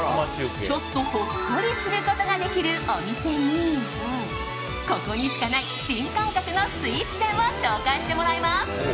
ちょっとほっこりすることができるお店にここにしかない新感覚のスイーツ店を紹介してもらいます。